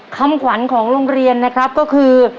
คำขวัญของโรงเรียนนะครับก็คือ